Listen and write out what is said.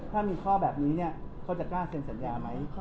ถ้ามีข้อแบบนี้เนี่ยเขาจะกล้าเซ็นสัญญาไหม